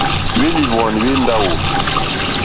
Hwélìhwwànì hwé ndáwò.